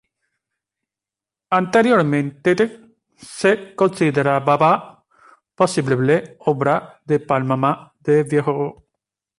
Anteriormente se consideraba posible obra de Palma el Viejo.